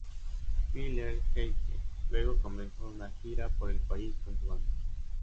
Miller-Heidke luego comenzó una gira por el país con su banda.